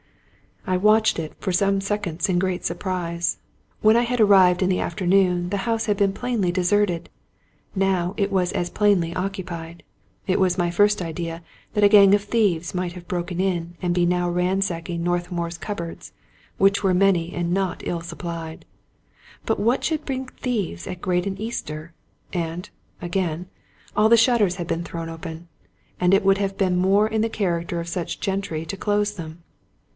I watched it for some seconds in great surprise. When I had arrived in the afternoon the house had been plainly de serted ; now it was as plainly occupied. It was my first idea that a gang of thieves might have broken in and be now ransacking Northmour's cupboards, which were many and not ill supplied. But what should bring thieves at Graden Easter? And, again, all the shutters had been thrown open, and it would have been more in the character of such gentry to close them.